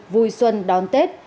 vui xuân đón tết